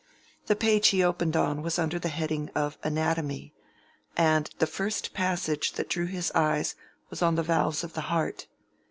The page he opened on was under the head of Anatomy, and the first passage that drew his eyes was on the valves of the heart.